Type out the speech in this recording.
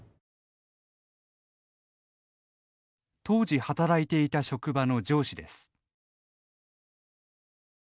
当時、働いていた職場の上司です。